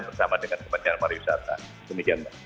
bersama dengan kementerian pariwisata